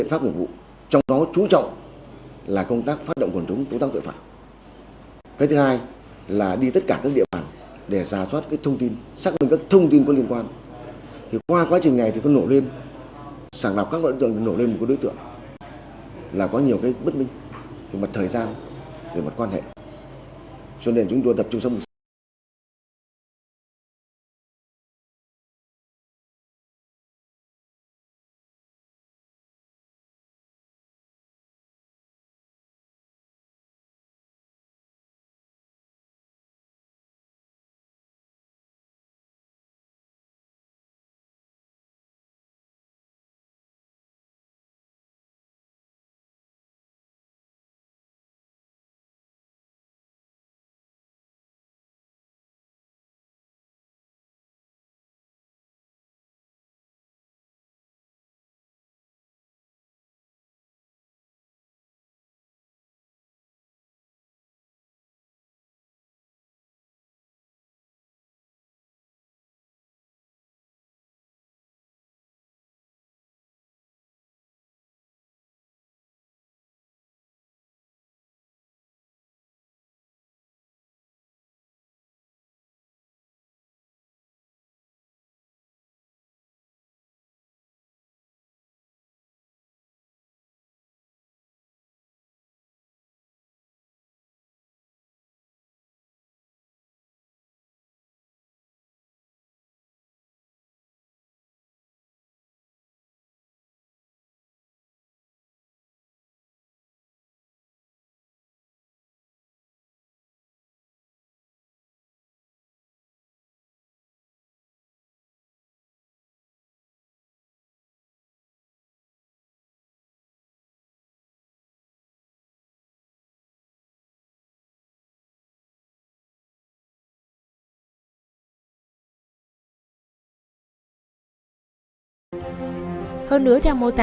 những câu hỏi của quân chủ nhân dân khiến các cơ quan công an càng tăng thêm quyết tâm nhanh chóng truy tìm thủ phạm